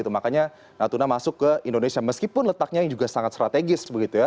makanya natuna masuk ke indonesia meskipun letaknya yang juga sangat strategis begitu ya